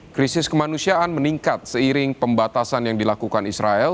krisis kemanusiaan meningkat seiring pembatasan yang dilakukan israel